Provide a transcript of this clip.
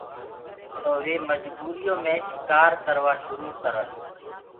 تو وي مجبوٚر يو مي شڪآر ڪروو شروُ ڪرن۔